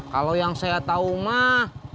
kalau yang saya tahu mah